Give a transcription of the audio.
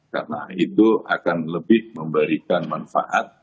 karena itu akan lebih memberikan manfaat